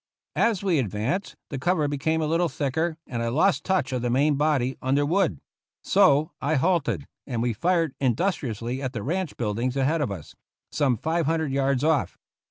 As we advanced, the cover became a little thicker and I lost touch of the main body under Wood ; so I halted and we fired industriously at the ranch buildings ahead of us, some five hundred yards off.